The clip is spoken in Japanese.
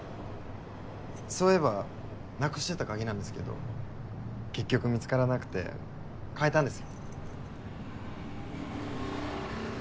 そういえばなくしてた鍵なんですけど結局見つからなくて換えたんですよ。